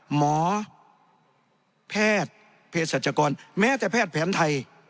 หมอแพทย์เพศรัชกรแม้แต่แพทย์แผนไทย